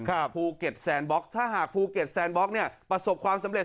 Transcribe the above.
ภูเก็ตแซนบล็อกถ้าหากภูเก็ตแซนบล็อกเนี่ยประสบความสำเร็